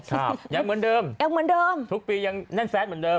ก็ออกกางเลยยังเหมือนเดิมทุกปียังแนนแซทเหมือนเดิม